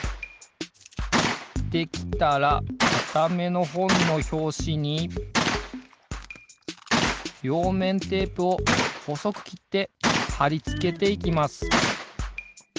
できたらかためのほんのひょうしにりょうめんテープをほそくきってはりつけていきます。